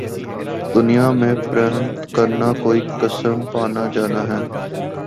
دنیا میں پرند کرنا کوئی قسم پانا جانا ہونا